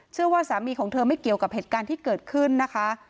เชื่อว่าสามีของเธอไม่เกี่ยวกับเหตุการณ์ที่เกิดขึ้นนะคะ